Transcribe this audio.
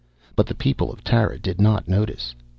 But the people of Tara did not notice.